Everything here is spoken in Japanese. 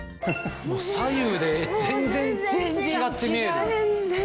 左右で全然違って見える。